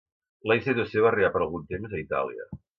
La institució va arribar per algun temps a Itàlia.